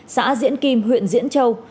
xã diễn kim huyện diễn châu